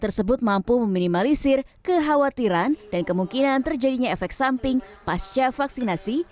tersebut mampu meminimalisir kekhawatiran dan kemungkinan terjadinya efek samping pasca vaksinasi